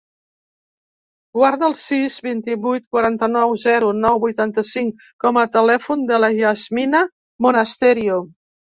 Guarda el sis, vint-i-vuit, quaranta-nou, zero, nou, vuitanta-cinc com a telèfon de la Yasmina Monasterio.